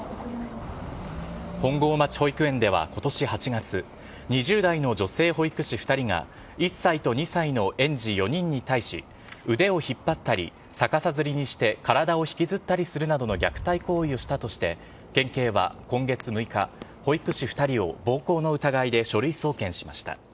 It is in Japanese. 本郷町保育園ではことし８月、２０代の女性保育士２人が、１歳と２歳の園児４人に対し、腕を引っ張ったり、逆さづりにして体を引きずったりするなどの虐待行為をしたとして、県警は今月６日、保育士２人を暴行の疑いで書類送検しました。